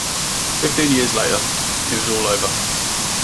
Fifteen years later, it was all over.